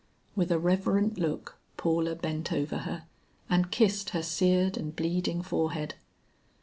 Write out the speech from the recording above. With a reverent look Paula bent over her and kissed her seared and bleeding forehead.